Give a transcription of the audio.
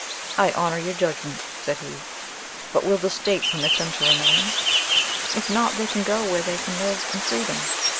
"I honour your judgment," said he. "But will the state permit them to remain?" "If not, they can go where they can live in freedom.